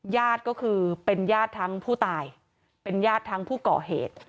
ญาติก็คือเป็นญาติทั้งผู้ตายเป็นญาติทั้งผู้ก่อเหตุ